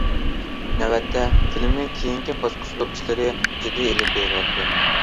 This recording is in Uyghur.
نۆۋەتتە فىلىمنىڭ كېيىنكى باسقۇچلۇق ئىشلىرى جىددىي ئېلىپ بېرىلىۋاتىدۇ.